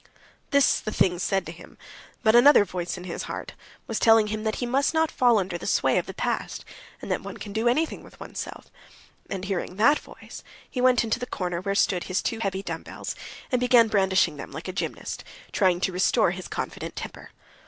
This the things said to him, but another voice in his heart was telling him that he must not fall under the sway of the past, and that one can do anything with oneself. And hearing that voice, he went into the corner where stood his two heavy dumbbells, and began brandishing them like a gymnast, trying to restore his confident temper.